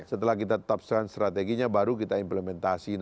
setelah kita tetapkan strateginya baru kita implementasi